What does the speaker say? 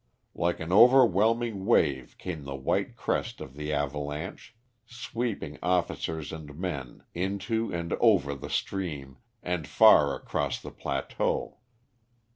Like an overwhelming wave came the white crest of the avalanche, sweeping officers and men into and over the stream and far across the plateau.